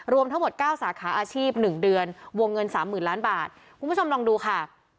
รวมทั้งหมดเก้าสาขาอาชีพหนึ่งเดือนวงเงินสามหมื่นล้านบาทคุณผู้ชมลองดูค่ะ